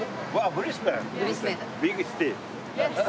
ブリスベン。